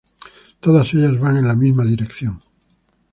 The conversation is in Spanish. Todas ellas van en la misma dirección.